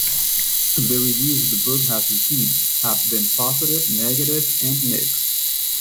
The reviews the book has received have been positive, negative, and mixed.